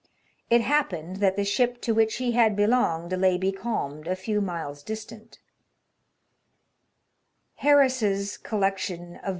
It happened that the ship to which he had belonged lay becalmed a few miles distant, •" Harris's Collection of Voyages."